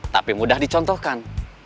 tapi mudah dicontohkan